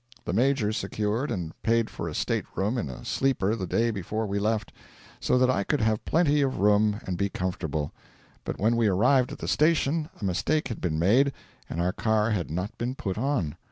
The Major secured and paid for a state room in a sleeper the day before we left, so that I could have plenty of room and be comfortable; but when we arrived at the station a mistake had been made and our car had not been put on.